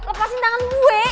lepasin tangan gue